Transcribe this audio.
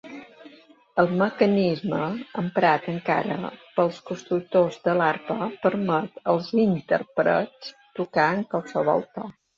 El mecanisme, emprat encara ara pels constructors d'arpa, permet als intèrprets tocar en qualsevol to.